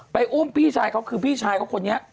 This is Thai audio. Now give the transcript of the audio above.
อุ้มพี่ชายเขาคือพี่ชายเขาคนนี้